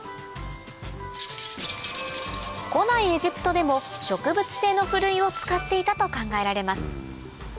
古代エジプトでも植物性のふるいを使っていたと考えられます